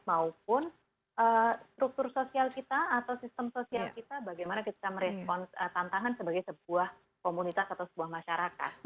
maupun struktur sosial kita atau sistem sosial kita bagaimana kita merespons tantangan sebagai sebuah komunitas atau sebuah masyarakat